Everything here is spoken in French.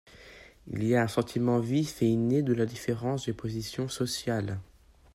Il a un sentiment vif et inné de la différence des positions sociales.